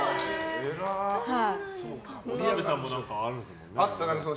澤部さんもあるんですよね。